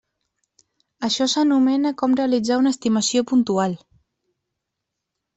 Això s'anomena com realitzar una estimació puntual.